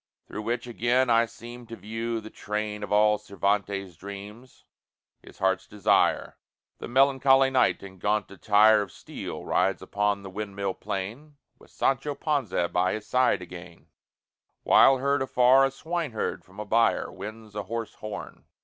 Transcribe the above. Through which again I seem to view the train Of all Cervantes' dreams, his heart's desire: The melancholy Knight, in gaunt attire Of steel rides by upon the windmill plain With Sancho Panza by his side again, While, heard afar, a swineherd from a byre Winds a hoarse horn.